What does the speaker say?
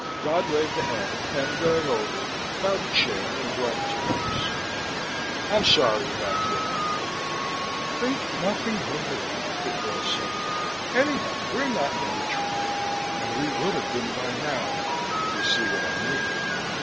Dodd waved a hand and, going over, found a chair and brought it to hers. "I'm sorry about the other night " "Think nothing of it," the girl said. "Anyhow, we're not in any trouble, and we would have been by now, if you see what I mean."